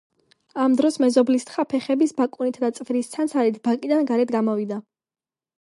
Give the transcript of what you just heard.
ამ დროს მეზობლის თხა ფეხების ბაკუნითა და წვერის ცანცარით ბაკიდან გარეთ გამოვიდა.